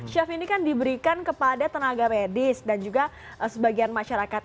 chef ini kan diberikan kepada tenaga medis dan juga sebagian masyarakat